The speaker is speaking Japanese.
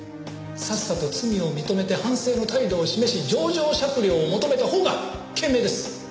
さっさと罪を認めて反省の態度を示し情状酌量を求めたほうが賢明です。